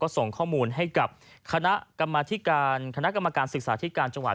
ก็ส่งข้อมูลให้กับคณะกรรมการศึกษาที่การจังหวัด